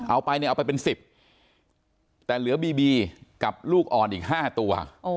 เอาไปเนี่ยเอาไปเป็น๑๐แต่เหลือบีบีกับลูกอ่อนอีก๕ตัว